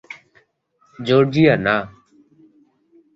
Georgia, না।